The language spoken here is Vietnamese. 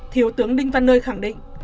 thiếu tướng đinh văn nơi khẳng định